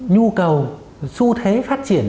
nhu cầu xu thế phát triển